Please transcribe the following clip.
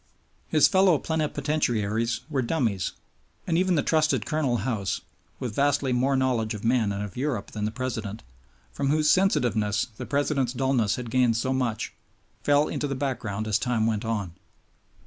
His fellow plenipotentiaries were dummies; and even the trusted Colonel House, with vastly more knowledge of men and of Europe than the President, from whose sensitiveness the President's dullness had gained so much, fell into the background as time went on.